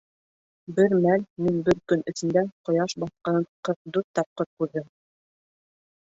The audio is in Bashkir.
Бер мәл мин бер көн эсендә ҡояш батҡанын ҡырҡ дүрт тапҡыр күрҙем!